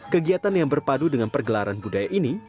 kegiatan yang berpadu dengan pergelaran budaya ini